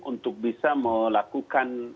untuk bisa melakukan